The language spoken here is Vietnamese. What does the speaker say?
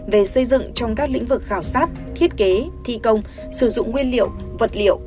về xây dựng trong các lĩnh vực khảo sát thiết kế thi công sử dụng nguyên liệu vật liệu